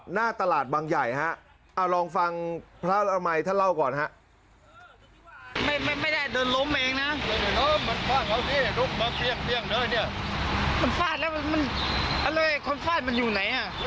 หน้าตลาดบางใหญ่ฮะเอาลองฟังพระอมัยท่านเล่าก่อนฮะ